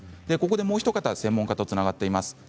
ここでもうひと方専門家の方とつながっています。